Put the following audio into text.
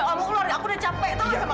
nggak mau keluar deh aku udah capek tau gak